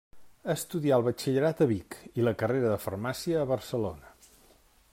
Estudià el batxillerat a Vic i la carrera de farmàcia a Barcelona.